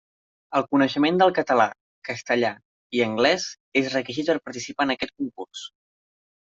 El coneixement del català, castellà i anglès és requisit per participar en aquest concurs.